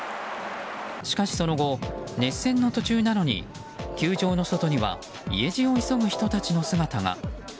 しかしその後、熱戦の途中なのに球場の外には家路を急ぐ人たちの姿が。